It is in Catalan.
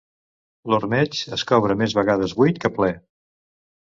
L'ormeig es cobra més vegades buit que ple.